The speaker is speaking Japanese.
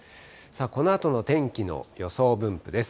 このあとの天気の予想分布です。